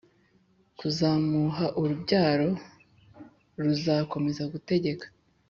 Kuzamuha urubyaro r ruzakomeza gutegeka